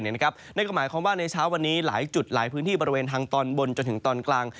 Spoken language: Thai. นั่นก็หมายความว่าในเช้าวันนี้หลายจุดหลายพื้นที่บริเวณทางตอนบนจนถึงตอนกลาง